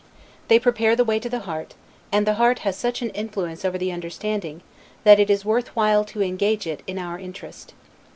They prepare the way to the heart; and the heart has such an influence over the understanding, that it is worth while to engage it in our interest.